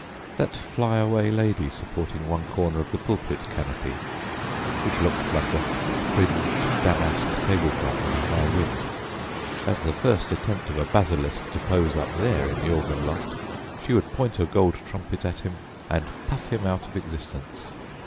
That flyaway lady supporting one corner of the pulpit canopy, which looked like a fringed damask table cloth in a high wind, at the first attempt of a basilisk to pose up there in the organ loft, she would point her gold trumpet at him, and puff him out of existence!